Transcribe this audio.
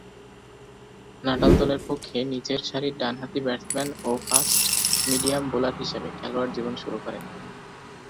Natal দলের পক্ষে নিচেরসারির ডানহাতি ব্যাটসম্যান ও ফাস্ট মিডিয়াম বোলার হিসেবে খেলোয়াড়ী জীবন শুরু করেন।